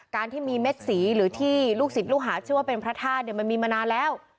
การที่มีเม็ดสีหรือที่ลูกศิษย์ลูกหาชื่อว่าเป็นพระธาตุเนี่ยมันมีมานานแล้ว